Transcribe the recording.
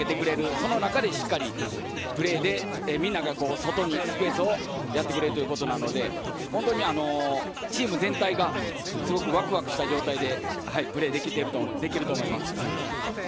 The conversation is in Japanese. その中でしっかりプレーで、みんなが外にスペースをやってくれるということなので、本当にチーム全体がすごくワクワクした状態でプレーできていると思います。